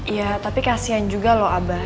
ya tapi kasian juga loh abah